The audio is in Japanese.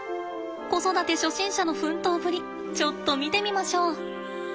子育て初心者の奮闘ぶりちょっと見てみましょう。